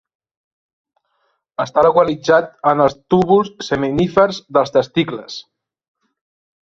Està localitzat en els túbuls seminífers dels testicles.